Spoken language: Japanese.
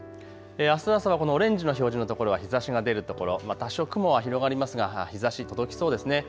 あす朝、オレンジの表示の所は日ざしが出るところ、多少雲は広がりますが日ざし届きそうですね。